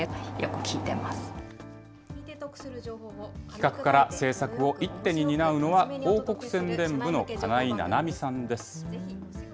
企画から制作を一手に担うのは広告宣伝部の金井菜々美さんです。